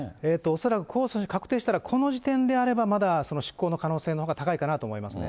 恐らく、確定したらこの時点であれば、まだ執行の可能性のほうが高いかなと思いますね。